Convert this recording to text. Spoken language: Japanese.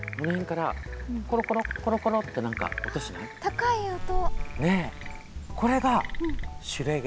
高い音。